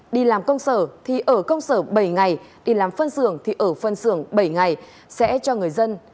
đi làm công sở thì ở công sở bảy ngày đi làm phân xưởng thì ở phân xưởng bảy ngày sẽ cho người dân